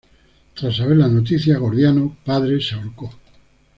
Tras saber la noticia, Gordiano padre se ahorcó.